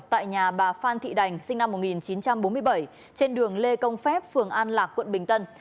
tại nhà bà phan thị đành sinh năm một nghìn chín trăm bốn mươi bảy trên đường lê công phép phường an lạc quận bình tân